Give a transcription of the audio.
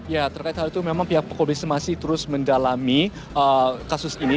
ya terkait hal itu memang pihak kepolisian masih terus mendalami kasus ini